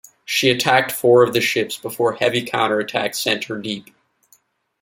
She attacked four of the ships before heavy counter-attack sent her deep.